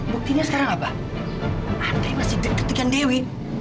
buktinya sekarang apa andre masih deket deket dengan dewi